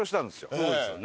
そうですよね。